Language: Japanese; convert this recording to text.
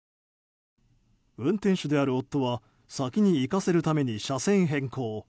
運転手である夫は先に行かせるために車線変更。